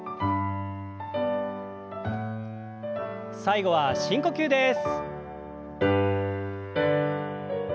最後は深呼吸です。